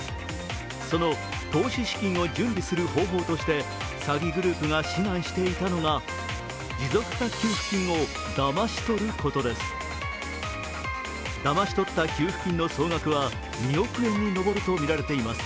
その投資資金を準備する方法として詐欺グループが指南していたのが持続化給付金をだまし取ることです。